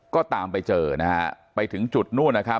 ก็ตามไปเจอนะฮะไปถึงจุดนู่นนะครับ